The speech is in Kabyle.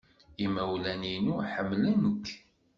Imawlan-inu ḥemmlen-k.